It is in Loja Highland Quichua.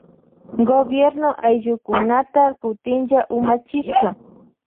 Gobierno ayllukunata kutinlla umachishka.